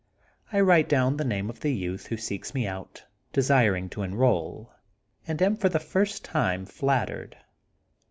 I write down the name of the youth who seeks me out desiring to enroll and am for the first time flattered.